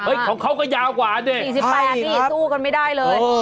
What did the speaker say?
เฮ้ยของเขาก็ยาวกว่าเนี่ย๔๘สู้กันไม่ได้เลย